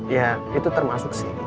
ya itu termasuk sih